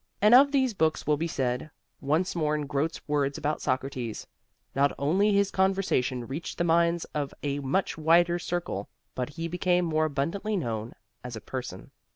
And of these books will be said (once more in Grote's words about Socrates): Not only his conversation reached the minds of a much wider circle, but he became more abundantly known as a person.